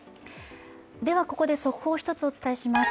では、ここで速報を１つお伝えします。